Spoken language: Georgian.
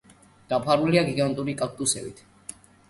დაფარულია გიგანტური კაქტუსებით.